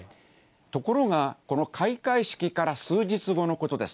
ところが、この開会式から数日後のことです。